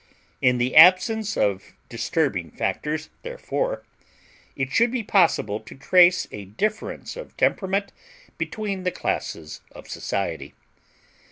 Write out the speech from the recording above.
In the absence of disturbing factors, therefore, it should be possible to trace a difference of temperament between the classes of society.